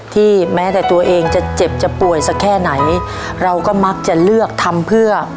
แม้แต่ตัวเองจะเจ็บจะป่วยสักแค่ไหนเราก็มักจะเลือกทำเพื่อ